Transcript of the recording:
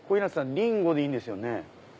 リンゴでいいんですよね？